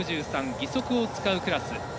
義足を使うクラス。